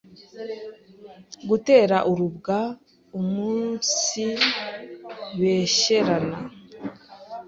gutera urubwa, umunsibeshyerana,